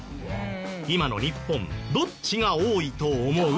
今の日本どっちが多いと思う？